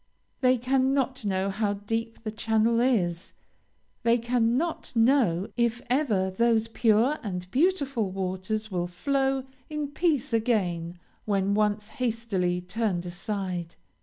They cannot know how deep the channel is they cannot know if ever those pure and beautiful waters will flow in peace again when once hastily turned aside.